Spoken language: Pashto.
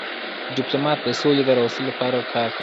ډيپلومات د سولي د راوستلو لپاره کار کوي.